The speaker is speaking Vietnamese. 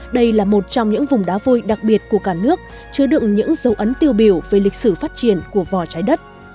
đây là một trong những vùng đá vôi đặc biệt của cả nước chứa đựng những dấu ấn tiêu biểu về lịch sử phát triển của vò trái đất